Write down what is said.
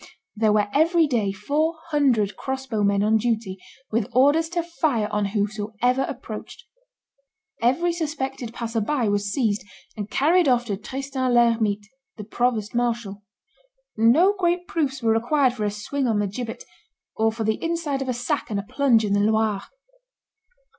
There were every day four hundred crossbow men on duty, with orders to fire on whosoever approached. Every suspected passer by was seized, and carried off to Tristan l'Hermite, the provost marshal. No great proofs were required for a swing on the gibbet, or for the inside of a sack and a plunge in the Loire.